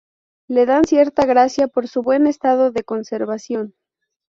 Le dan cierta gracia por su buen estado de conservación.